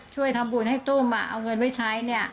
ช่วยทำบุญให้ตุ้มเอาเงินไว้ใช้เนี่ย